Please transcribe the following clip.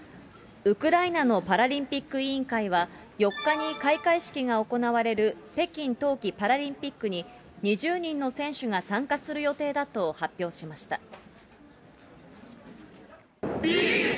ウクライナのパラリンピック委員会は、４日に開会式が行われる北京冬季パラリンピックに、２０人の選手が参加する予定だと発表しました。